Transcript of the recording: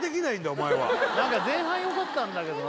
お前は前半よかったんだけどな